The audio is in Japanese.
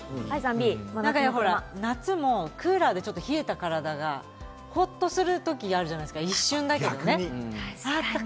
夏もクーラーで冷えた体がほっとする時あるじゃないですか、一瞬だけどね。